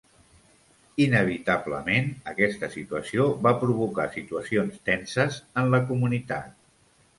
Inevitablement, aquesta situació va provocar situacions tenses en la comunitat.